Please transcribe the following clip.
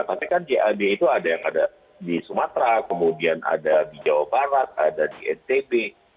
tapi kan jad itu ada yang ada di sumatera kemudian ada di jawa barat ada di ntb